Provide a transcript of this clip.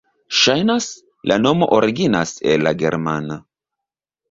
Ŝajnas, la nomo originas el la germana.